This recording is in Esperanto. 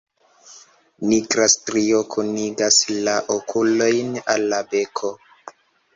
Nigra strio kunigas la okulojn al la beko.